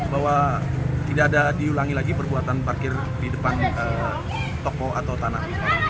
bahwa tidak ada diulangi lagi perbuatan parkir di depan toko atau tanah